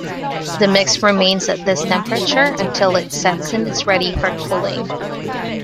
The mix remains at this temperature until it sets and is ready for cooling.